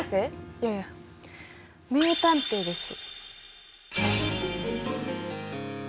いやいや名探偵です！